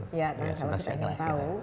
ya kalau kita ingin tahu